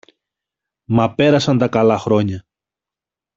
Μα πέρασαν τα καλά χρόνια